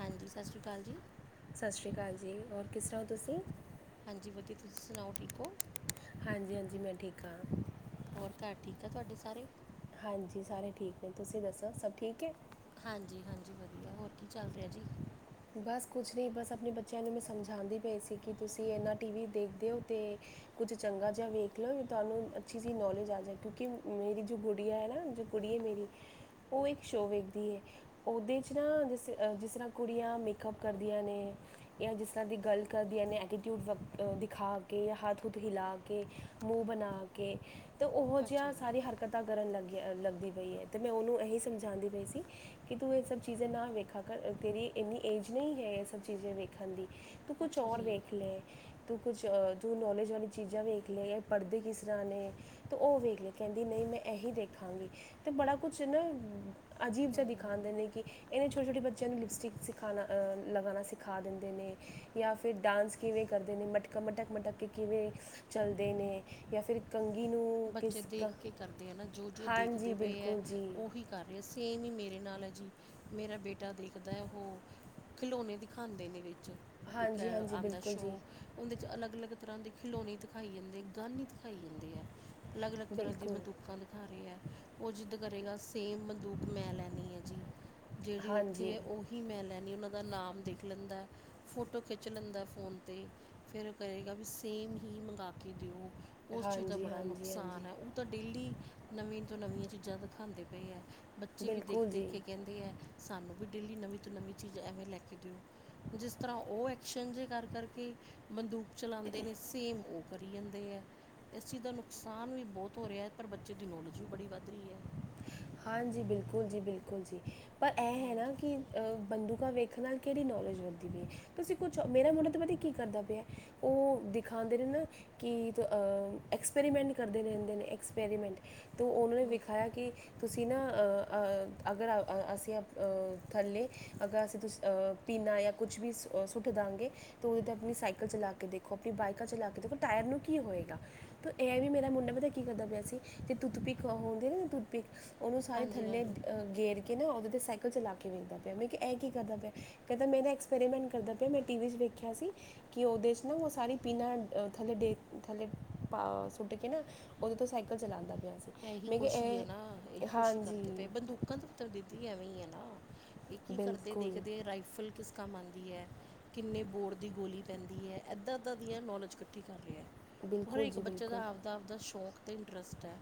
ਹਾਂਜੀ ਸਤਿ ਸ਼੍ਰੀ ਅਕਾਲ ਜੀ ਸਤਿ ਸ਼੍ਰੀ ਅਕਾਲ ਜੀ ਹੋਔਰ ਕਿਸ ਤਰ੍ਹਾਂ ਹੋ ਤੁਸੀਂ ਹਾਂਜੀ ਵਧੀਆ ਤੁਸੀਂ ਸੁਣਾਓ ਠੀਕ ਹੋ। ਹਾਂਜੀ ਹਾਂਜੀ ਮੈਂ ਠੀਕ ਹਾਂ। ਹੋਰ ਘਰ ਠੀਕ ਆ ਤੁਹਾਡੇ ਸਾਰੇ। ਹਾਂਜੀ ਸਾਰੇ ਠੀਕ ਨੇ ਤੁਸੀਂ ਦੱਸੋ ਸਭ ਠੀਕ ਹੈ। ਹਾਂਜੀ ਹਾਂਜੀ ਵਧੀਆ ਹੋਰ ਕੀ ਚੱਲ ਰਿਹਾ ਜੀ। ਬਸ ਕੁਛ ਨਹੀਂ ਬਸ ਆਪਣੇ ਬੱਚਿਆਂ ਨੂੰ ਮੈਂ ਸਮਝਾਉਂਦੀ ਪਈ ਸੀ ਕਿ ਤੁਸੀਂ ਇੰਨਾ ਟੀ ਵੀ ਦੇਖਦੇ ਹੋ ਅਤੇ। ਕੁਛ ਚੰਗਾ ਜਿਹਾ ਵੇਖ ਲਓ ਤੁਹਾਨੂੰ ਅੱਛੀ ਸੀ ਨੌਲੇਜ ਆ ਜਾਏ ਕਿਉਂਕਿ ਮੇਰੀ ਜੋ ਗੁੜੀਆ ਹੈ ਨਾ। ਕੁੜੀ ਹੈ ਮੇਰੀ ਉਹ ਇੱਕ ਸ਼ੋ ਵੇਖਦੀ ਹੈ ਉਹਦੇ ਚ ਨਾ ਜਿਸ ਜਿਸ ਤਰ੍ਹਾਂ ਕੁੜੀ। ਕੁੜੀਆਂ ਮੇਕਅੱਪ ਕਰਦੀਆਂ ਨੇ। ਜਾਂ ਜਿਸ ਤਰ੍ਹਾਂ ਦੀ ਗੱਲ ਕਰਦੀਆਂ ਨੇ ਐਟੀਟਿਊਡ ਵ ਦਿਖਾ ਕੇ ਜਾਂ ਹੱਥ ਹੱਥ ਹਿਲਾ ਕੇ। ਕੇ ਮੂੰਹ ਬਣਾ ਕੇ ਤੇ ਉਹੋ ਅੱਛਾ ਜਿਹੀਆਂ ਜੀ ਸਾਰੀ ਹਰਕਤਾ। ਹਰਕਤਾਂ ਕਰਨ ਲੱਗ ਲੱਗਦੀ ਪਈ ਹੈ ਅਤੇ ਮੈਂ ਉਹਨੂੰ ਇਹੀ ਸਮਝਾਉਂਦੀ ਪਈ ਸੀ। ਕਿ ਤੂੰ ਇਹ ਸਭ ਚੀਜ਼ਾਂ ਨਾ ਵੇਖਾ ਕਰ ਤੇਰੀ। ਇੰਨੀ ਏਜ ਨਹੀਂ ਹੈ ਇਹ ਸਭ ਚੀਜ਼ਾਂ ਵੇਖਣ ਦੀ ਤੂੰ ਕੁਛ ਅੱਛਾ ਔਰ ਜੀ ਹਮ, ਵੇਖ ਲੈ। ਤੂੰ ਕੁਛ ਤੂੰ ਨੌਲੇਜ ਵਾਲੀ ਚੀਜ਼ਾਂ ਵੇਖ ਲੈ ਪੜ੍ਹਦੇ ਕਿਸ ਤਰ੍ਹਾਂ ਨੇ। ਤੇ ਓ ਵੇਖ ਲੈ ਕੈਦੀ ਨਈ ਮੈਂ ਐਹੀ ਦੇਖਾਂਗੀ। ਤੇ ਬੜਾ ਕੁਛ ਨਾ ਅਜੀਬ ਜੇਆ ਦਿਖਾਦੇ ਨੇ ਕਿ ਏਨੇ ਛੋਟੇ ਛੋਟੇ ਬੱਚਿਆਂ ਨੂੰ ਲਿਪਸਟਿਕ ਸਿਖਾਣਾ ਅ ਲਗਾਣਾ ਸਿਖਾ ਦਿੰਦੇ ਨੇ। ਜਾਂ ਫਿਰ ਡਾਂਸ ਕਿਵੇਂ ਕਰਦੇ ਨੇ ਮਟਕ ਮਟਕ ਮਟਕ ਕੇ ਕਿਵੇਂ ਚੱਲਦੇ ਨੇ। ਜਾਂ ਫਿਰ ਕੰਘੀ ਨੂੰ। ਬੱਚੇ ਕਿਸ ਦੇਖ ਕ- ਕੇ ਕਰਦੇ ਐ ਨਾ ਜੋ ਜੋ ਦੇਖਦੇ ਹਾਂਜੀ ਪਏ ਐ ਬਿਲਕੁਲ ਜੀ ਓਹੀ ਕਰ ਰੇ ਸੇਮ ਈ ਮੇਰੇ ਨਾਲ ਐ ਜੀ ਮੇਰਾ ਬੇਟਾ ਦੇਖਦਾ ਐ ਓਹੋ ਖਿਲੌਣੇ ਦਿਖਾਨਦੇ ਨੇ ਵਿੱਚ ਇੱਕ ਹਾਂਜੀ ਐ ਹਾਂਜੀ ਆਂਦਾ ਬਿਲਕੁਲ ਜੀ ਸ਼ੋਅ ਓਦੇ ਚ ਅਲੱਗ ਅਲੱਗ ਤਰ੍ਹਾਂ ਦੇ ਖਿਲੌਣੇ ਦਿਖਾਈ ਜਾਂਦੇ ਗਨ ਈ ਦਿਖਾਈ ਜਾਂਦੇ ਐ। ਲੱਗ-ਲੱਗ ਤਰ੍ਹਾਂ ਦੀ ਬਿਲਕੁਲ ਬੰਦੁਕਾ ਦਿਖਾ ਰੇ ਐ ਉਹ ਜਿੱਦ ਕਰੇਗਾ ਸੇਮ ਦੁਕ ਮੈਂ ਲੈਣੀ ਐ ਜੀ ਜੇੜੀ ਉੱਥੇ ਹਾਂਜੀ ਐ ਓਹੀ ਹੀ ਮੈਂ ਲੈਣੀ ਓਨਾਂ ਦਾ ਨਾਮ ਦੇਖ ਲੈਂਦਾ ਫੋਟੋ ਖਿੱਚ ਲੈਂਦਾ ਫੋਨ ਤੇ ਈ ਫੇਰ ਕਏਗਾ ਵੀ ਸੇਮ ਹੀ ਮੰਗਵਾ ਕੇ ਦੇਓ ਓਸ ਚੀਜ਼ ਦਾ ਹਾਂਜੀ ਬੜਾ ਹਾਂਜੀ ਹਾਂਜੀ ਨੁਕਸਾਨ ਆ ਓ ਤਾਂ ਡੇਲੀ ਨਵੀਂ ਤੋਂ ਨਵੀਆਂ ਚੀਜ਼ਾਂ ਦਿਖਾਦੇ ਪਏ ਐ। ਬੱਚੇ ਵੀ ਦੇਖ ਬਿਲਕੁਲ ਦੇਖ ਜੀ ਕੇ ਕਹਿੰਦੇ ਐ ਸਾਨੂੰ ਵੀ ਡੇਲੀ ਨਵੀਂ ਤੋਂ ਨਵੀਂ ਚੀਜ਼ ਐਵੇਂ ਲੈ ਕੇ ਦਿਓ। ਜਿਸ ਤਰ੍ਹਾਂ ਓ ਐਕਸ਼ਨ ਜੇ ਕਰ ਕਰਕੇ ਬੰਦੂ ਚਲਾਦੇ ਨੇ ਸੇਮ ਓ ਕਰੀ ਜਾਂਦੇ ਐ ਏਸ ਚੀਜ ਦਾ ਨੁਕ ਸਾਨ ਵੀ ਬਹੁਤ ਹੋ ਰੇ ਆ ਪਰ ਬੱਚੇ ਦੀ ਨੌਲੇਜ ਵੀ ਬੜੀ ਵੱਧ ਰੀ ਐ। ਹਾਂਜੀ ਬਿਲਕੁਲ ਜੀ ਬਿਲਕੁਲ ਜੀ ਪਰ ਐ ਹੈ ਨਾ ਕਿ ਅ ਬੰਦੂਕਾਂ ਵੇਖਣ ਨਾਲ ਕੇੜੀ ਨੌਲੇਜ ਵੱਧਦੀ ਪਈ। ਤੁਸੀਂ ਕੁੱਛ ਮੇਰਾ ਮੁੰਡਾ ਤੇ ਪਤਾ ਕੀ ਕਰਦਾ ਪਿਆ ਓ ਦਿਖਾਦੇ ਨੇ ਨਾ। ਕਿ ਅ ਐਕਸਪੈਰੀਮੈਂਟ ਕਰਦੇ ਰੈਦੇ ਨੇ ਐਕਸਪੈਰੀਮੈਂਟ। ਤੋਂ ਉਨਾਂ ਨੇ ਹਾਂਜੀ ਵਿਖਾਇਆ ਕਿ ਤੁਸੀਂ ਨਾ ਅ ਅ ਅਗਰ ਅ ਅ ਅਸੀ ਅ ਥੱਲੇ ਅਗਰ ਅਸੀ ਤੁਸੀ ਅ ਪੀਣਾ ਜਾਂ ਕੁਛ ਵੀ ਸੁ ਸੁੱਟ ਦਾਂਗੇ ਤੇ ਓਦੇ ਤੇ ਆਪਣੀ ਸਾਈਕਲ ਚਲਾ ਕੇ ਦੇਖ ਆਪਣੀ ਬਾਈਕਾਂ ਚਲਾ ਕੇ ਦੇਖੋ ਟਾਇਰ ਨੂੰ ਕੀ ਹੋਏਗਾ। ਤੋਂ ਐ ਵੀ ਮੇਰਾ ਮੁੰਡਾ ਪਤਾ ਕੀ ਕਰਦਾ ਪਿਆ ਸੀ ਟੂਥ ਪਿਕ ਹੁੰਦੀ ਐ ਨਾ ਟੂਥ ਪਿਕ ਓਨੂੰ ਸਾਰੀ ਹਾਂਜੀ ਥੱਲੇ ਹਾਂਜੀ ਗੇਰ ਕੇ ਨਾ ਓਦੇ ਤੇ ਸਾਈਕਲ ਚਲਾ ਕੇ ਵੇਖਦਾ ਪਿਆ ਮੈਂ ਕੇਆ ਐ ਕੀ ਕਰਦਾ ਪਿਆ। ਕੈਂਦਾ ਮੈਂ ਏਦਾ ਐਕਸਪੈਰੀਮੈਂਟ ਕਰਦਾ ਪਿਆ ਮੈਂ ਟੀ ਵੀ ਚ ਵੇਖਿਆ ਸੀ। ਕਿ ਓਦੇ ਚ ਨਾ ਉਹ ਸਾਰੀ ਪੀਨਾ ਥੱਲੇ ਡੇ ਥੱਲੇ ਪਾ ਸੁੱਟ ਕੇ ਨਾ। ਓਦੇ ਤੋਂ ਸਾਈਕਲ ਚਲਾਂਦਾ ਪਿਆ ਸੀ। ਐਹੀ ਮੈਂ ਕਿ ਖੁਸ਼ੀ ਐ ਨਾ, ਇਹ ਐਹੀ ਖੁਸ਼ੀ ਹਾਂਜੀ ਕਰਦੇ ਪਏ ਬੰਦੂਕਾਂ ਦਾ ਤਰ ਦੀਦੀ ਐਵੇਂ ਈ ਆ ਨਾ। ਐ ਕੀ ਕਰਦੇ ਬਿਲਕੁਲ ਦੇਖਦੇ ਰਾਈਫਲ ਕਿਸ ਕੰਮ ਆਂਦੀ ਐ। ਕਿੰਨੇ ਬੋਰਡ ਦੀ ਗੋਲੀ ਪੈਂਦੀ ਐ। ਏਦਾਂ ਏਦਾਂ ਦੀਆਂ ਨੌਲੇਜ ਇਕੱਠੀ ਕਰ ਰੇਐ। ਹਰੇ ਬਿਲਕੁਲ ਇੱਕ ਜੀ ਬੱਚੇ ਦਾ ਬਿਲਕੁਲ ਆਪਦਾ-ਆਪਦਾ ਸ਼ੌਂਕ ਅਤੇ ਇੰਟਰਸਟ ਐ।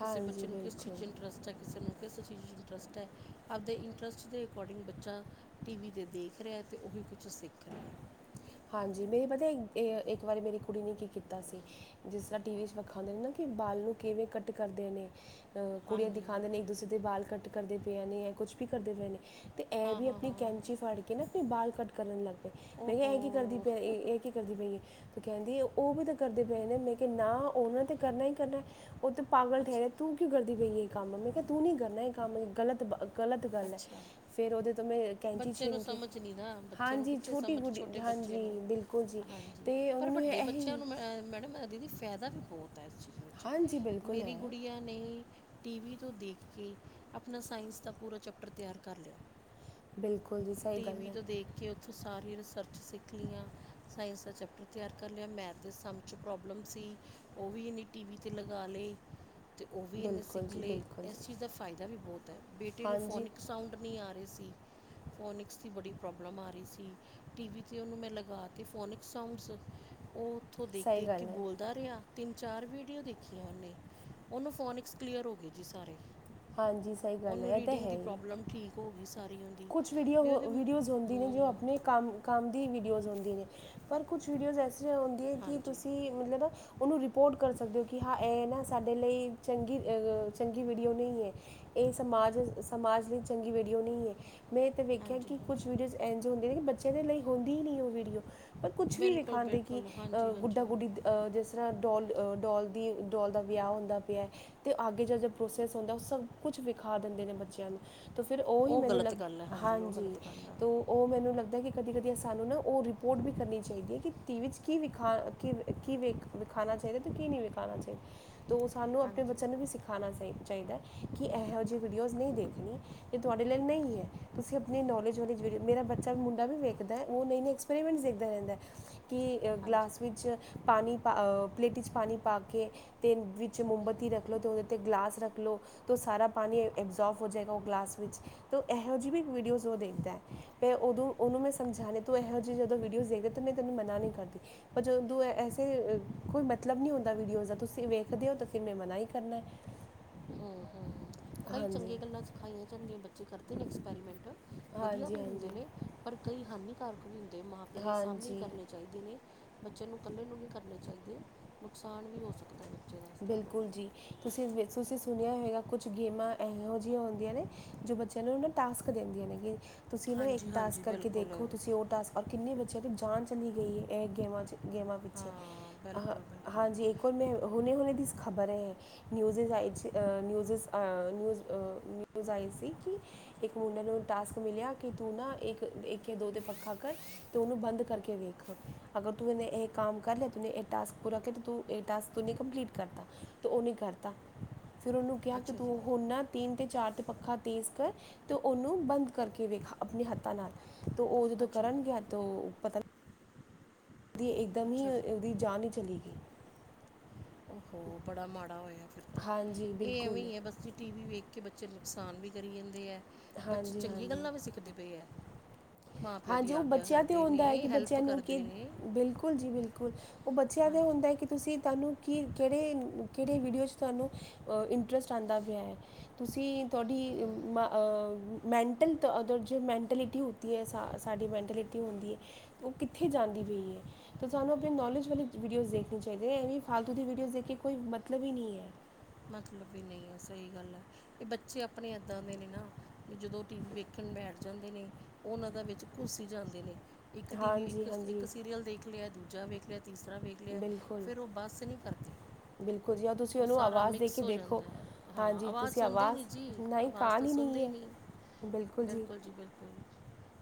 ਕਿਸੇ ਹਾਂਜੀ ਬੱਚੇ ਨੂੰ ਕਿਸ ਚੀਜ਼ ਬਿਲਕੁਲ ਚ ਇੰਟਰਸ ਬੱਚਾ ਕਿਸੇ ਨੂੰ ਕਿਸ ਚੀਜ਼ 'ਚ ਇੰਟਰਸਟ ਹੈ ਆਪਦੇ ਇੰਟਰਸਟ ਦੇ ਅਕੋਰਡਿੰਗ ਬੱਚਾ ਟੀ ਵੀ ਤੇ ਦੇਖ ਰੇਆ ਤੇ ਓਹੀ ਕੁਛ ਸਿੱਖ ਰੇਆ ਹਾਂਜੀ ਮੇਰੀ ਪਤਾ ਇੱਕ ਵਾਰੀ ਮੇਰੀ ਕੁੜੀ ਨੇ ਕੀ ਕੀਤਾ ਸੀ ਜਿਸ ਤਰ੍ਹਾਂ ਟੀਵੀ ਚ ਵਖਾਂਦੇ ਨੇ ਨਾ ਕਿ ਬਾਲ ਨੂੰ ਕਿਵੇਂ ਕੱਟ ਕਰਦੇ ਨੇ ਕੁੜੀਆਂ ਹਾਂਜੀ ਦਿਖਾਂਦੇ ਨੇ ਇੱਕ ਦੂਸਰੇ ਦੇ ਬਾਲ ਕੱਟ ਕਰਦੇ ਪਏ ਨੇ ਜਾਂ ਕੁਛ ਵੀ ਕਰਦੇ ਪਏ ਨੇ ਤੇ ਐ ਹਾਂ ਵੀ ਹਾਂ ਆਪਣੀ ਹਾਂ ਕੈਂਚੀ ਫੜ ਕੇ ਨਾ ਆਪਣੇ ਬਾਲ ਕੱਟ ਕਰਨ ਲੱਗ ਪਏ ਮੈਂ ਕਿਆ ਐ ਕੀ ਕਰਦੀ ਓਹੋ ਪਿਆ ਏ ਏ ਕੀ ਕਰਦੀ ਪਈ ਐ ਤੇ ਕਹਿੰਦੀ ਓ ਵੀ ਤਾਂ ਕਰਦੇ ਪਏ ਨੇ ਮੈਂ ਕਿਆ ਨਾ ਓਨਾਂ ਤੇ ਕਰਨਾ ਈ ਕਰਨਾ ਓ ਤੇ ਪਾਗਲ ਠਹਿਰੇ ਅੱਛਾ ਤੂੰ ਕਿਉਂ ਕਰਦੀ ਪਈ ਐ ਕੰਮ ਮੈਂ ਕਿਆ ਤੂੰ ਨੀ ਕਰਨਾ ਐ ਕੰਮ ਗਲਤ ਗਲਤ ਗੱਲ ਐ ਅੱਛਾ ਫੇਰ ਓਦੇ ਤੋਂ ਮੈਂ ਕੈਂਚੀ ਬੱਚੇ ਨੂੰ ਛੀਨ ਕੇ ਸਮਝ ਨੀ ਨਾ ਬੱਚੇ ਨੂੰ ਹਾਂਜੀ ਕਿੱਥੇ ਛੋਟੀ ਸਮਝ ਛੋ ਗੁੱਡੀ ਛੋਟੇ ਬੱਚੇ ਹਾਂਜੀ ਨੂੰ, ਬਿਲਕੁਲ ਜੀ ਹਾਂਜੀ ਅਤੇ ਉਹਨਾਂ ਪਰ ਨੂੰ ਵੱਡੇ ਇਹ ਬੱਚਿਆਂ ਹੀ ਨੂੰ ਮੈਂ ਮੈਡਮ ਦੀਦੀ ਫਦਾ ਵੀ ਬੋਤ ਐ ਏਸ ਚੀਜ਼ ਵਿੱਚ ਹਾਂਜੀ ਬਿਲਕੁਲ ਮੇਰੀ ਹੈ ਗੁੜੀਆਂ ਨੇ ਟੀ ਵੀ ਤੋਂ ਦੇਖ ਕੇ ਆਪਨਾ ਸਾਇੰਸ ਦਾ ਪੂਰਾ ਚੈਪਟਰ ਤਿਆਰ ਕਰ ਲਿਆ। ਬਿਲਕੁਲ। ਜੀ ਸਹੀ ਟੀ ਗੱਲ ਵੀ ਹੈ ਤੋਂ ਦੇਖ ਕਿ ਓਥੋਂ ਸਾਰੀਆਂ ਰਿਸਰਚ ਸਿੱਖ ਲੀਆਂ ਸਾਇੰਸ ਦਾ ਚੈਪਟਰ ਤਿਆਰ ਕਰ ਲਿਆ ਮੈਥ ਦੇ ਸਮ ਚ ਪ੍ਰੋਬਲਮ ਸੀ ਓ ਵੀ ਇਨੇ ਟੀਵੀ ਤੇ ਲਗਾ ਲਏ। ਤੇ ਓ ਵੀ ਏਨੇ ਬਿਲਕੁਲ ਸਿੱਖ ਜੀ ਲਏ ਬਿਲਕੁਲ ਇਸ ਜੀ ਚੀਜ਼ ਦਾ ਫਾਇਦਾ ਵੀ ਬੋਤ ਐ ਬੇਟੇ ਨੂੰ ਹਾਂਜੀ ਫੋਨਿਕ ਸਾਊਂਂਡ ਨੀ ਆ ਰੇ ਸੀ। ਫੋਨਿਕਸ ਦੀ ਬੜੀ ਪ੍ਰੋਬਲਮ ਆ ਰਈ ਸੀ ਟੀ ਵੀ ਤੇ ਓਨੂੰ ਮੈਂ ਲਗਾ ਤੇ ਫੋਨਿਕਸ ਸਾਊਂਡਸ ਓ ਓਥੋਂ ਸਹੀ ਦੇਖ-ਦੇਖ ਕੇ ਗੱਲ ਹੈ ਬੋਲ ਦਾ ਰਿਆ ਤਿੰਨ ਚਾਰ ਵੀਡੀਓ ਦੇਖੀਆਂ ਓਨੇ ਓਨੂੰ ਫੋਨਿਕਸ ਕਲੀਅਰ ਹੋ ਗਏ ਜੀ ਸਾਰੇ। ਹਾਂਜੀ ਸਹੀ ਗੱਲ ਓਨੂੰ ਹੈ ਇਹ ਰੀਡਿੰਗ ਦੀ ਪ੍ਰੋਬਲਮ ਠੀਕ ਹੋ ਗਈ ਸਾਰੀ ਓਂਦੀ। ਕੁਛ ਵੀਡੀਓ ਹੋ ਵੀਡੀਓਜ਼ ਹੁੰਦੀ ਨੇ ਜੋ ਆਪਨੇ ਕੰਮ-ਕੰਮ ਦੀ ਵੀਡੀਓਜ਼ ਹੁੰਦੀ ਨੇ। ਪਰ ਕੁਛ ਵੀਡੀਓਜ਼ ਐਸੀਆਂ ਔਂਦੀਐ ਕਿ ਹਾਂਜੀ ਤੁਸੀਂ ਮਤਲਬ ਨਾ ਓਨੂੰ ਰਿਪੋਟ ਕਰ ਸਕਦੇ ਹੋ ਕਿ ਹਾਂ ਐਹ ਨਾ ਸਾਡੇ ਲਈ ਚੰਗੀ-ਚੰਗੀ ਵੀਡੀਓ ਨਈ ਐ। ਏ ਸਮਾਜ-ਸਮਾਜ ਲਈ ਚੰਗੀ ਵੀਡੀਓ ਨਈ ਐ। ਮੈਂ ਏ ਤੇ ਵੇਖਿਆ ਹਾਂਜੀ ਕਿ ਕੁਛ ਹਾਂਜੀ ਵੀਡੀਓਜ਼ ਐਂਜ ਹੁੰਦੀਆਂ ਨੇ ਬੱਚਿਆਂ ਦੇ ਲਈ ਹੁੰਦੀ ਈ ਨਈ ਓ ਵੀਡੀਓ। ਪਰ ਕੁੱਛ ਵੀ ਬਿਲਕੁਲ ਵਿਖਾਂਦੇ ਕੀ ਬਿਲਕੁਲ ਹਾਂਜੀ ਅਹ ਗੁੱਡਾ ਹਾਂਜੀ ਗੁੱਡੀ ਜਿਸ ਤਰ੍ਹਾਂ ਡੌਲ-ਡੌਲ ਦੀ ਡੌਲ ਦਾ ਵਿਆਹ ਹੁੰਦਾ ਪਿਆ ਤੇ ਆੱਗੇ ਜਾ ਜੋ ਪ੍ਰੋਸੈਸ ਹੁੰਦਾ ਓ ਸਬ ਕੁਛ ਵਿਖਾ ਦਿੰਦੇ ਨੇ ਬੱਚਿਆਂ ਨੂੰ। ਤਾਂ ਫਿਰ ਉਹ ਹੀ ਓ ਗ਼ਲਤ ਗੱਲ ਐ ਹਾਂਜੀ ਓ ਗ਼ਲਤ ਗੱਲ ਆ। ਓ ਮੈਨੂੰ ਲੱਗਦਾ ਕਿ ਕਦੀ-ਕਦੀ ਸਾਨੂੰ ਨਾ ਉਹ ਰਿਪੋਟ ਵੀ ਕਰਨੀ ਚਾਈਦੀ ਐ ਕਿ ਟੀ ਵੀ ਚ ਕੀ ਵਿਖਾ ਕੀ ਕੀ ਵੇਖ ਵਿਖਾਨਾ ਚਾਈਦਾ ਤੇ ਕੀ ਨਈ ਵੇਖਾਨਾ ਚਾਈਦਾ, ਤੇ ਓ ਸਾਨੂੰ ਆਪਣੇ ਹਾਂਜੀ ਬੱਚਿਆਂ ਨੂੰ ਵੀ ਸਿਖਾ ਖਾਨਾ ਸਈ ਚਾਈਦਾ ਕਿ ਐਹੋ ਜੀ ਵੀਡੀਓਜ਼ ਨਈ ਦੇਖਨੀ ਏ ਤੁਹਾਡੇ ਲਈ ਨਈ ਐ। ਤੁਸੀਂ ਆਪਨੀ ਨੌਲੇਜ ਵਾਲੀ ਵੀਡਿਓ ਮੇਰਾ ਬੱਚਾ ਮੁੰਡਾ ਵੀ ਵੇਖਦਾ ਐ ਓ ਨਏ-ਨਏ ਐਕਸਪੈਰੀਮੈਂਟਸ ਦੇਖਦਾ ਰੈਂਦੈ। ਕੀ ਹਾਂਜੀ ਗਲਾਸ ਵਿੱਚ ਪਾਨੀ ਪਾ ਪਲੇਟ ਚ ਪਾਨੀ ਪਾ ਕੇ ਤੇ ਵਿੱਚ ਮੋਮਬੱਤੀ ਰੱਖ ਲੋ ਤੇ ਓਦੇ ਤੇ ਗਲਾਸ ਰੱਖ ਲੋ। ਤੋ ਸਾਰਾ ਪਾਨੀ ਐਬਜ਼ੋਰਵ ਹੋ ਜੇਗਾ ਓ ਗਲਾਸ ਵਿੱਚ ਤਾਂ ਐਹੋ ਜੀ ਵੀ ਵੀਡੀਓਜ਼ ਓ ਦੇਖਦਾ ਐ। ਫੇਰ ਓਦੋਂ ਓਨੂੰ ਮੈਂ ਸਮਝਾਨੇ ਤੂੰ ਐਹੋ ਜੀ ਜਦੋਂ ਵੀਡੀਓਜ਼ ਦੇਖਦੇ ਮੈਂ ਤੈਨੂੰ ਮਨਾ ਨੀ ਕਰਦੀ। ਪਰ ਜਦੋਂ ਤੂੰ ਐਸੇ ਕੋਈ ਮਤਲਬ ਨੀ ਹੁੰਦਾ ਵੀਡੀਓ ਦਾ ਤੁਸੀਂ ਵੇਖਦੇ ਹੋ ਫਿਰ ਮੈਂ ਮਨਾ ਈ ਕਰਨਾ। [unintelligible] ਹੂੰ-ਹੂੰ ਕਈ ਹਾਂਜੀ ਚੰਗੀਆਂ ਗੱਲਾਂ ਸਿਖਾਈਆਂ ਜਾਂਦੀਆਂ ਬੱਚੇ ਕਰਦੇ ਨੇ ਐਕਸਪੈਰੀਮੈਂਟ। ਵਦੀਆ ਹਾਂਜੀ ਵੀ ਹਾਂਜੀ ਹੁੰਦੇ ਨੇ ਪਰ ਕਈ ਹਾਨੀਕਾਰਕ ਵੀ ਹੁੰਦੇ ਮਾਂ-ਪਿਓ ਦੇ ਸਾਮਣੇ ਈ ਹਾਂਜੀ ਕਰਨੇ ਚਾਈ ਚਾਈਦੇ ਨੇ ਬੱਚੇ ਨੂੰ ਕੱਲੇ ਨੂੰ ਨਈ ਕਰਨੇ ਚਾਈਦੇ ਨੁਕਸਾਨ ਵੀ ਹੋ ਸਕਦਾ ਬੱਚੇ ਦਾ। ਇਸ ਤਰ੍ਹਾਂ ਬਿਲਕੁਲ ਦਾ ਜੀ ਤੁਸੀਂ-ਤੁਸੀਂ ਸੁਨਿਆ ਹੋਏਗਾ ਕੁਛ ਗੇਮਾਂ ਐਹੋ ਜੀਆਂ ਹੁੰਦੀਆਂ ਨੇ ਜੋ ਬੱਚਿਆਂ ਨੂੰ ਨਾ ਓ ਟਾਸਕ ਦਿੰਦੀਆਂ ਨੇ ਤੁਸੀਂ ਨਾ ਇੱਕ ਹਾਂਜੀ ਟਾਸਕ ਹਾਂਜੀ ਕਰਕੇ ਬਿਲਕੁਲ ਦੇਖੋ ਤੁਸੀਂ ਓ ਟਾਸਕ ਔਰ ਕਿੰਨੇ ਬੱਚਿਆਂ ਦੀ ਜਾਨ ਚਲੀ ਗਈ ਐ ਐਹ ਗੇਮ ਚ ਗੇਮਾਂ ਪਿੱਛੇ ਹਾਂ ਅ ਬਿਲਕੁਲ ਬਿਲਕੁਲ ਹਾਂਜੀ ਇੱਕ ਵਾਰ ਮੈਂ ਹੁਨੇ-ਹੁਨੇ ਦੀ ਖ਼ਬਰ ਐ ਨਿਊਜ਼ਿਜ਼ ਆਏ ਸੀ ਅ ਨਿਊਜ਼ਜ਼ ਅ ਨਿਊਜ਼-ਨਿਊਜ਼ ਆਈ ਸੀ ਕੀ ਇੱਕ ਮੁੰਡੇ ਨੂੰ ਟਾਸਕ ਮਿਲਿਆ ਕਿ ਤੂੰ ਨਾ ਇੱਕ-ਇੱਕ ਜਾਂ ਦੋ ਤੇ ਪੱਖਾ ਕਰ ਤੇ ਓਨੂੰ ਬੰਦ ਕਰਕੇ ਵੇਖ। ਅਗਰ ਤੂੰ ਏਨੇ ਇਹ ਕਾਮ ਕਰ ਲਿਆ ਤੁਨੇ ਏਹ ਟਾਸਕ ਪੂਰਾ ਕਰ ਤੂੰ ਏਹ ਟਾਸ ਤੁਨੀ ਕੰਪਲੀਟ ਕਰਤਾ ਤੇ ਓਨੇ ਕਰਤਾ ਫਿਰ ਓਨੂੰ ਕਿਆ ਕਿ ਅੱਛਾ ਜੀ ਤੂੰ ਹੁਨ ਨਾ ਤਿੰਨ ਤੇ ਚਾਰ ਤੇ ਪੱਖਾ ਤੇਜ਼ ਕਰ ਤੇ ਓਨੂੰ ਬੰਦ ਕਰਕੇ ਵਿਖਾ ਆਪਨੇ ਹੱਥਾਂ ਨਾਲ। ਤੋਂ ਓਦੇ ਤੋਂ ਅੱਛਾ ਕਰਨ ਜੀ ਗਿਆ ਤੋ ਪਤਾ ਤੇ ਇਕਦਮ ਹੀ ਅੱਛਾ ਜੀ ਅ ਓਦੀ ਜਾਨ ਈ ਚਲੀ ਗਈ। ਓ ਹੋ, ਬੜਾ ਮਾੜਾ ਹੋਇਆ ਫਿਰ ਤਾਂ, ਹਾਂਜੀ ਏ ਐਵੇਂ ਬਿਲਕੁਲ ਈ ਐ ਬਸ ਜੀ ਟੀ ਵੀ ਵੇਖ ਕਿ ਬੱਚੇ ਨੁਕਸਾਨ ਵੀ ਕਰੀ ਜਾਂਦੇ ਏ, ਬੱਚੇ ਹਾਂਜੀ ਚੰਗੀ ਹਾਂਜੀ ਗੱਲਾਂ ਵੀ ਸਿੱਖਦੇ ਪਏ ਐ। ਹਾਂਜੀ ਓ ਬੱਚਿਆਂ ਤੇ ਹੁੰਦਾ ਐ ਕਿ ਬੱਚਿਆਂ ਹੈਲਪ ਨੂੰ ਕੀ ਕਰਦੇ ਨੇ ਬਿਲਕੁਲ ਜੀ ਬਿਲਕੁਲ। ਓ ਬੱਚਿਆਂ ਤੇ ਹਾਂਜੀ ਹੁੰਦਾ ਐ ਕਿ ਤੁਸੀਂ ਤੁਹਾਨੂੰ ਕੀ ਕਿਹੜੇ, ਕਿਹੜੇ ਵੀਡੀਓ 'ਚ ਤੁਹਾਨੂੰ ਅ ਇੰਨਟਰਸਟ ਆਂਦਾ ਪਿਆ ਐ। ਤੁਸੀਂ ਤੁਹਾਡੀ ਅ ਮੈਂਟਲ ਜੋ ਮੈਂਟਿਲਿਟੀ ਹੋਤੀ ਹੈ। ਸਾ, ਸਾਡੀ ਮੈਂਟਿਲਿਟੀ ਹੁੰਦੀ ਏ, ਓ ਕਿੱਥੇ ਜਾਂਦੀ ਪਈ ਐ। ਤੇ ਸਾਨੂੰ ਅਪਨੀ ਨੌਲੇਜ ਵਾਲੀ ਵੀਡੀਓਜ਼ ਦੇਖਨੀ ਚਾਈਦੀ, ਐਵੇਂ ਫਾਲਤੂ ਦੀ ਵੀਡੀਓਜ਼ ਦੇਖ ਕੇ ਕੋਈ ਮਤਲਬ ਹੀ ਨੀ ਐ। ਮਤਲਬ ਹੀ ਨਈ ਐ, ਸਈ ਗੱਲ ਐ, ਏ ਬੱਚੇ ਅਪਨੇ ਏਦਾਂ ਦੇ ਨੇ ਨਾ। ਵੀ ਜਦੋਂ ਟੀ ਵੀ ਵੇਖਨ ਬੈਠ ਜਾਂਦੇ ਨੇ, ਓਨਾਂ ਦਾ ਵਿੱਚ ਘੁਸ ਹੀ ਜਾਂਦੇ ਨੇ। ਇੱਕ ਟੀ ਵੀ, ਹਾਂਜੀ ਇੱਕ ਇੱਕ ਹਾਂਜੀ ਸੀਰੀਅਲ ਦੇਖ ਲਿਆ, ਦੂਜਾ ਵੇਖ ਲਿਆ, ਤੀਸਰਾ ਵੇਖ ਲਿਆ ਬਿਲਕੁਲ ਫਿਰ ਉਹ ਬੱਸ ਨਹੀਂ ਕਰਦੇ, ਬਿਲਕੁਲ ਜੀ ਆ ਤੁਸੀਂ ਓ ਉਹਨੂੰ ਸਾਰਾ ਆਵਾਜ਼ ਮਿਕਸ ਦੇ ਕੇ ਸ ਹੋ ਦੇਖੋ ਜਾਂਦਾ ਐ, ਹਾਂ ਹਾਂਜੀ ਆਵਾਜ਼ ਤੁਸੀਂ ਸੁਨਦੇ ਨਈ ਜੀ, ਨਹੀਂ ਆਵਾਜ਼ ਕਾਲ ਤਾਂ ਹੀ ਸਨਦੇ ਨਹੀਂ ਈ ਹੈ ਨਈ। ਬਿਲਕੁਲ ਜੀ ਬਿਲਕੁਲ,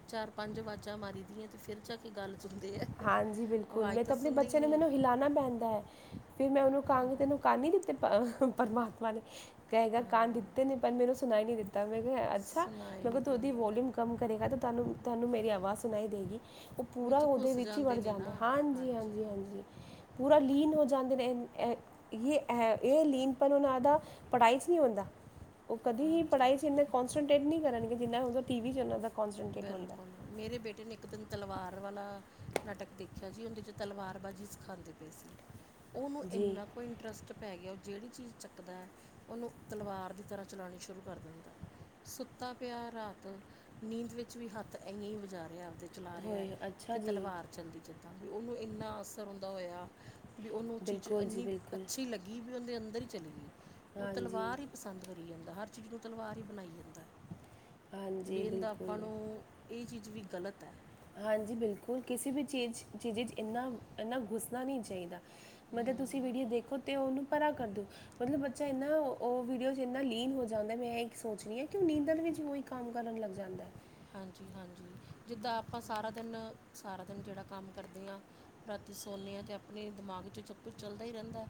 ਚਾਰ-ਪੰਜ ਆਵਾਜ਼ਾਂ ਮਾਰੀ ਦੀਆਂ ਤੇ ਫਿਰ ਜਾ ਕੇ ਗੱਲ ਸੁਣਦੇ ਆ ਹਾਂਜੀ ਬਿਲਕੁਲ, ਆਵਾਜ਼ ਮੈਂ ਤਾਂ ਆਪਣੇ ਸੁਣਦੇ ਹੀ ਬੱਚੇ ਨੂੰ ਨਹੀਂ ਮੈਨੂੰ ਹਿਲਾਨਾ ਪੈਂਦਾ ਐ। ਫਿਰ ਮੈਂ ਓਨੂੰ ਕਹਾਂਗੀ ਤੈਨੂੰ ਕੰਨ ਨਹੀਂ ਦਿੱਤੇ ਪ੍ਰਮਾਤਮਾ ਨੇ। ਕਹੇਗਾ ਕੰਨ ਹਾਂ ਦਿੱਤੇ ਨੇ ਪਰ ਮੈਨੂੰ ਸੁਣਾਈ ਨੀ ਦਿੱਤਾ, ਮੈਂ ਕਿਹਾ ਅੱਛਾ ਸੁਣਾਈ ਮੈਂ ਕਿਹਾ ਨਹੀਂ ਤੂੰ ਓਦੀ ਦਿੰਦਾ ਵੋਲਯੂ ਕੰਮ ਕਰੇਗਾ ਤੇ ਤੁਹਾਨੂੰ, ਤੁਹਾਨੂੰ ਮੇਰੀ ਆਵਾਜ਼ ਸੁਨਾਈ ਦੇਗੀ ਓ ਪੂਰਾ ਵਿੱਚ ਓ ਘੁਸ ਵਿੱਚ ਹੀ ਵੜ ਜਾਂਦੇ ਨੇ ਜਾਂਦਾ ਐ, ਨਾ ਹਾਂਜੀ, ਹਾਂਜੀ, ਹਾਂਜੀ ਪੂਰਾ ਲੀਨ ਹੋ ਜਾਂਦੇ ਨੇ। ਯੇ ਅਹ ਯੇ ਲੀਨਪਨ ਓਨਾਂ ਦਾ ਪੜ੍ਹਾਈ 'ਚ ਨਹੀਂ ਹੋਂਦਾ। ਓ ਕਦੀ ਹੀ ਹਾਂਜੀ ਪੜ੍ਹਾਈ 'ਚ ਇਨ੍ਹਾਂ ਕੋਂਨਸਟਰੇਟ ਨਹੀਂ ਕਰਨਗੇ ਜਿੰਨਾ ਹੁੰਦਾ ਟੀ ਵੀ 'ਚ ਓਨਾਂ ਦਾ। ਕੌਂਸਟਰੇਟ ਹੁੰਦਾ ਬਿਲਕੁਲ, ਮੇਰੇ ਬੇਟੇ ਨੇ ਇੱਕ ਦਿਨ ਤਲਵਾਰ ਵਾਲਾ ਨਾਟਕ ਦੇਖਿਆ ਜੀ ਓਦੇ 'ਚ ਤਲਵਾਰਬਾਜ਼ੀ ਸਿੱਖਾਂਦੇ ਪਏ ਸੀ, ਓਨੂੰ ਏਨਾ ਕੁ ਇੰਨਟਰਸਟ ਪੈ ਗਿਆ, ਓ ਜੇੜੀ ਚੀਜ਼ ਚੱਕਦਾ ਐ ਓਨੂੰ ਤਲਵਾਰ ਦੀ ਤਰ੍ਹਾਂ ਚਲਾਣੀ ਸ਼ੁਰੂ ਕਰ ਦਿੰਦਾ। ਸੁੱਤਾ ਪਿਆ ਰਾਤ, ਨੀਂਦ ਵਿੱਚ ਵੀ ਹੱਥ ਐਈ, ਐਈ ਵਜਾ ਰਿਹਾ ਆਪਦੇ। ਚਲਾ ਰਿਹਾ ਐ ਕਿ ਤਲਵਾਰ ਚੱਲਦੀ ਜਿੱਦਾਂ ਵੀ, ਓਨੂੰ ਇੰਨਾ ਅਸਰ ਉਂਦਾ ਹੋਇਆ ਵੀ ਓਨੂੰ ਓ ਚੀਜ਼ ਇੰਨੀ ਬਿਲਕੁਲ ਅੱਛੀ ਲੱਗੀ। ਵੀ ਉਹਦੇ ਅੰਦਰ ਹੀ ਚਲੀ ਗਈ, ਓ ਹਾਂਜੀ ਤਲਵਾਰ ਈ ਪਸੰਦ ਕਰੀ ਜਾਂਦਾ, ਹਰ ਚੀਜ਼ ਨੂੰ ਤਲਵਾਰ ਹੀ ਬਨਾਈ ਜਾਂਦਾ ਐ, ਬੇਨ ਦਾ ਹੂੰ, ਐ ਚੀਜ਼ ਵੀ ਗਲਤ ਐ। ਹਾਂਜੀ ਬਿਲਕੁਲ, ਕਿਸੇ ਵੀ ਚੀਜ਼, ਚੀਜ਼ 'ਚ ਇੰਨਾ, ਇੰਨਾ ਘੁੱਸਨਾ ਨੀ ਚਾਈਦਾ। ਮਤਲਬ ਤੁਸੀਂ ਵੀਡੀਓ ਦੇਖੋ ਤੇ ਓਨੂੰ ਪਰਾ ਕਰ ਦੋ, ਮਤਲਬ ਬੱਚਾ ਏਨਾਂ ਓ ਓ ਵੀਡੀਓਜ਼ 'ਚ ਇੰਨਾ ਲੀਨ ਹੋ ਜਾਂਦਾ, ਮੈਂ ਏਈ ਸੋਚ ਰੀ ਆਂ ਕਿ ਓ ਨਿੰਦਰ 'ਚ ਵੀ ਓਈ ਕੰਮ ਕਰਨ ਲੱਗ ਜਾਂਦਾ। ਹਾਂਜੀ-ਹਾਂਜੀ, ਜਿੱਦਾਂ ਆਪਾਂ ਸਾਰਾ ਦਿਨ, ਸਾਰਾ ਦਿਨ ਜੇੜਾ ਕੰਮ ਕਰਦੇ ਆਂ। ਰਾਤੀ ਸੌਨੇ ਆਂ ਤੇ ਅਪਨੇ ਦਿਮਾਗ 'ਚ ਸਭ ਕੁਛ ਚੱਲਦਾ ਈ ਰਹਿੰਦਾ ਐ।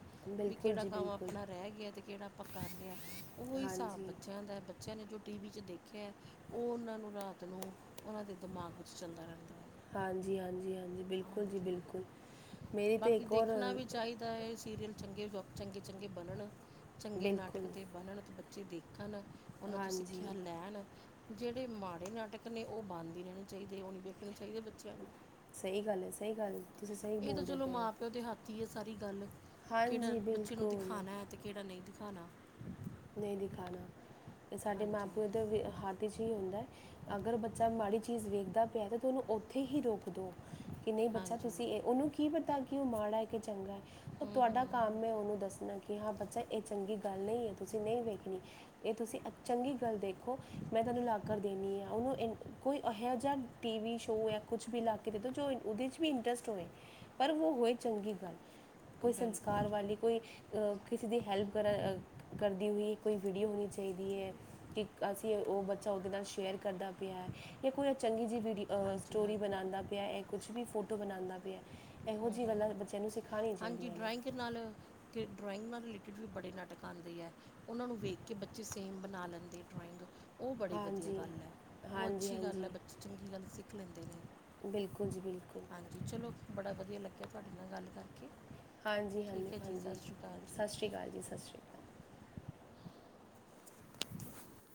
ਵੀ ਬਿਲਕੁਲ ਕੇੜਾ ਜੀ, ਕੰਮ ਬਿਲਕੁਲ। ਅਪਣਾ ਰਹਿ ਗਿਆ ਤੇ ਕੇੜਾ ਆਪਾਂ ਕਰ ਲਿਆ ਓਈ ਹਿਸਾਬ ਹਾਂਜੀ। ਬੱਚਿਆਂ ਦਾ ਬੱਚਿਆਂ ਨੇ ਜੋ ਟੀ ਵੀ 'ਚ ਦੇਖਿਆ, ਓ ਓਨਾਂ ਨੂੰ, ਰਾਤ ਨੂੰ ਓਨਾਂ ਦੇ ਦਿਮਾਗ ਵਿੱਚ ਚੱਲਦਾ ਰਹਿੰਦਾ। ਹਾਂਜੀ, ਹਾਂਜੀ, ਹਾਂਜੀ ਬਿਲਕੁਲ ਜੀ ਹਾਂਜੀ ਬਿਲਕੁਲ। ਮੇਰੀ ਤੇ ਬਾਕੀ ਇੱਕ ਔਰ ਦੇਖਨਾ ਵੀ ਚਾਈ ਦਾ ਏ ਸੀਰੀਅਲ ਚੰਗੇ, ਚੰਗੇ-ਚੰਗੇ ਬਣਨ, ਚੰਗੇ ਨਾਟਕ ਬਿਲਕੁਲ, ਤੇ ਬਣਨ ਤੇ ਬੱਚੇ ਦੇਖਨ ਓਨਾਂ ਤੋਂ ਹਾਂਜੀ। ਸਿੱਖਿਆ ਲੈਨ। ਜੇੜੇ ਮਾੜੇ ਨਾਟਕ ਨੇ, ਓ ਬੰਦ ਈ ਰਹਿਣੇ ਚਾਈਦੇ ਓ ਨੀ ਵੇਖਣੇ ਚਾਈਦੇ ਬੱਚਿਆਂ ਨੂੰ। ਸਈ ਗੱਲ ਐ, ਸਈ ਗੱਲ, ਤੁਸੀਂ ਸਈ ਬੋਲਦੇ ਪਏ ਓ। ਪਿਓ ਦੇ ਹੱਥੀ ਇਹ ਸਾਰੀ ਗੱਲ ਕਿਹੜਾ ਹਾਂਜੀ, ਬੱਚੇ ਨੂੰ ਬਿਲਕੁਲ। ਦਿਖਾਣਾ ਐ, ਤੇ ਕਿਹੜਾ ਨਹੀਂ ਦਿਖਾਣਾ। ਨਹੀਂ ਦਿਖਾਣਾ ਸਾਡੇ ਮਾਂ ਹਾਂਜੀ -ਪਿਓ ਦੇ ਹੱਥ ਤੇ ਐ ਹੀ ਹੁੰਦਾ ਅਗਰ ਬੱਚਾ ਮਾੜੀ ਚੀਜ਼ ਵੇਖਦਾ ਪਿਆ ਤਾਂ ਉਹਨੂੰ ਓਥੇ ਹੀ ਰੋਕ ਦੋ। ਕਿ ਨਹੀਂ ਬੱਚਾ ਹਾਂਜੀ ਤੁਸੀਂ ਇਹ ਉਹਨੂੰ ਕੀ ਪਤਾ ਕਿ ਉਹ ਮਾੜਾ ਐ ਕਿ, ਚੰਗਾ ਐ ਓ ਹੂੰ ਤੁਹਾਡਾ ਕੰਮ ਹੂੰ ਮੈਂ ਉਹਨੂੰ ਦੱਸਣਾ ਕਿ ਹਾਂ ਬੱਚਾ ਇਹ ਚੰਗੀ ਗੱਲ ਨਹੀਂ ਐ ਤੁਸੀਂ ਨਹੀਂ ਵੇਖਣੀ। ਇਹ ਤੁਸੀਂ ਚੰਗੀ ਗੱਲ ਦੇਖੋ ਮੈਂ ਤੁਹਾਨੂੰ ਲਾ ਕਰ ਦੇਣੀ ਆ ਉਹਨੂੰ ਕੋਈ ਇਹੋ ਜਿਹਾ ਟੀਵੀ ਸ਼ੋ ਜਾਂ ਕੁਛ ਵੀ ਲਾਕੇ ਦੇ ਦੋ ਜੋ ਉਹਦੇ 'ਚ ਵੀ ਇੰਟਰਸਟ ਹੋਵੇ। ਪਰ ਓ ਹੋਏ ਚੰਗੀ ਗੱਲ। ਕੋਈ ਬਿਲਕੁਲ ਸੰਸਕਾਰ ਜੀ ਵਾਲੀ ਕੋਈ ਕਿਸੇ ਦੀ ਹੈਲਪ ਕਰਾ ਕਰਦੀ ਵੀ ਕੋਈ ਵੀਡੀਓ ਹੋਣੀ ਚਾਹੀਦੀ ਐ, ਕਿ ਅਸੀਂ ਉਹ ਬੱਚਾ ਓਦੇ ਨਾਲ ਸ਼ੇਅਰ ਕਰਦਾ ਪਿਆ ਜਾਂ ਕੋਈ ਚੰਗੀ ਜੀ ਵਿਡੀ ਹਾਂਜੀ ਸਟੋਰੀ ਹਾਂਜੀ ਬਣਾਉਂਦਾ ਪਿਆ ਜਾਂ ਕੁਛ ਵੀ ਫੋਟੋ ਬਣਾਉਂਦਾ ਪਿਆ। ਇਹੋ ਹੂੰ ਜਿਹੀ ਹੂੰ ਗੱਲਾਂ ਬੱਚਿਆਂ ਨੂੰ ਸਿਖਾਣੀਆਂ ਹਾਂਜੀ ਚਾਹੀਦੀਆਂ ਨੇ। ਡਰਾਇੰਗ ਨਾਲ ਕਿ ਡਰੋਇੰਗ ਨਾਲ ਰਿਲੇਟਿਡ ਵੀ ਬੜੇ ਨਾਟਕ ਆਦੇ ਐ। ਉਹਨਾਂ ਨੂੰ ਵੇਖ ਕੇ ਬੱਚੇ ਸੇਮ ਬਣਾ ਲੈਂਦੇ ਡਰਾਇੰਗ। ਉਹ ਬੜੀ ਵਧੀਆ ਹਾਂਜੀ ਗੱਲ ਐ ਉਹ ਹਾਂਜੀ ਅੱਛੀ ਗੱਲ ਐ ਹਾਂਜੀ ਬੱਚੇ ਚੰਗੀ ਗੱਲ ਸਿੱਖ ਲੈਂਦੇ ਨੇ। ਬਿਲਕੁਲ ਜੀ ਬਿਲਕੁਲ। ਹਾਂਜੀ ਚਲੋ ਬੜਾ ਵਧੀਆ ਲੱਗਿਆ ਤੁਹਾਡੇ ਨਾਲ ਗੱਲ ਕਰਕੇ। ਠੀਕ ਐ ਜੀ ਸਤਿ ਸ਼੍ਰੀ ਅਕਾਲ ਜੀ। ਸਤੀ ਅਕਾਲ ਸਿ ਸ਼੍ਰੀ ਅਕਾਲ